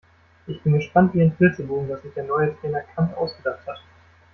Ich bin gespannt wie ein Flitzebogen, was sich der neue Trainer Kant ausgedacht hat.